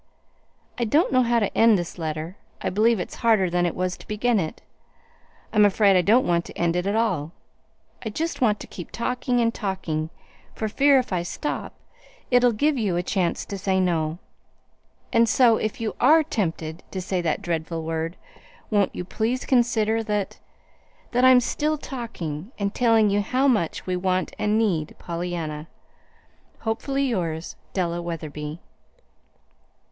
"I don't know how to end this letter. I believe it's harder than it was to begin it. I'm afraid I don't want to end it at all. I just want to keep talking and talking, for fear, if I stop, it'll give you a chance to say no. And so, if you ARE tempted to say that dreadful word, won't you please consider that that I'm still talking, and telling you how much we want and need Pollyanna. "Hopefully yours, "DELLA WETHERBY."